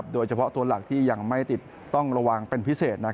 โดยเฉพาะตัวหลักที่ยังไม่ติดต้องระวังเป็นพิเศษ